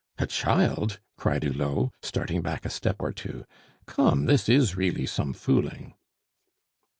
"A child!" cried Hulot, starting back a step or two. "Come. This is really some fooling."